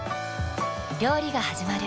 料理がはじまる。